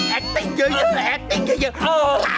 แอคติ้งเยอะเยอะแอคติ้งเยอะเยอะ